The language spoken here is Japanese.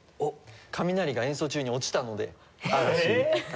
雷が演奏中に落ちたので「嵐」から「雷」。